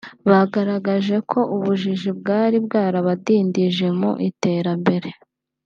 bagaragaje ko ubujiji bwari bwarabadindije mu iterambere